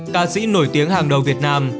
ca sĩ nổi tiếng hàng đầu việt nam